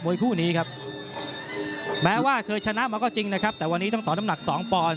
คู่นี้ครับแม้ว่าเคยชนะมาก็จริงนะครับแต่วันนี้ต้องต่อน้ำหนักสองปอนด